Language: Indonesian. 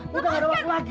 kita harus pergi